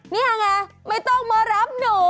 นี่ไงไม่ต้องมารับหนู